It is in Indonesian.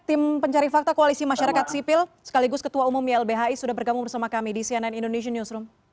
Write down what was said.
tim pencari fakta koalisi masyarakat sipil sekaligus ketua umum ylbhi sudah bergabung bersama kami di cnn indonesian newsroom